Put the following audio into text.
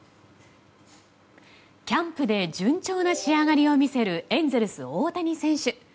キャンプで順調な仕上がりを見せるエンゼルス、大谷選手。